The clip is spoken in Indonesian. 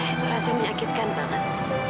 itu rasanya menyakitkan banget